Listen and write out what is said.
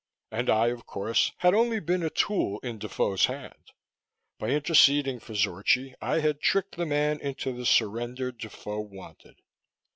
And I, of course, had been only a tool in Defoe's hand; by interceding for Zorchi, I had tricked the man into the surrender Defoe wanted.